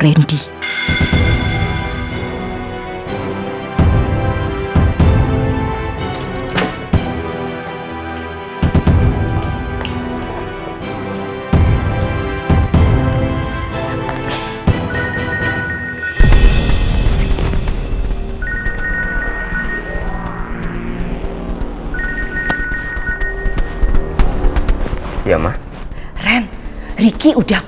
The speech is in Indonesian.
terima kasih ma